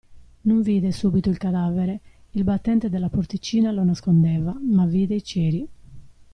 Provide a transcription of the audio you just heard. Non vide subito il cadavere – il battente della porticina lo nascondeva – ma vide i ceri.